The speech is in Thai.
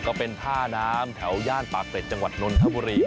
ก็เป็นท่าน้ำแถวย่านปากเกร็จจังหวัดนนทบุรี